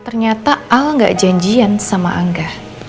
ternyata al gak janjian sama angga